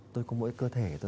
tôi có mỗi cơ thể của tôi thôi